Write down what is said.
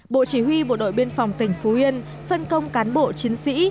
bộ chỉ huy bộ đội biên phòng tỉnh phú yên phân công cán bộ chiến sĩ